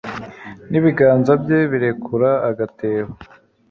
n’ibiganza bye birekura agatebo